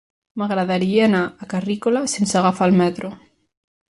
M'agradaria anar a Carrícola sense agafar el metro.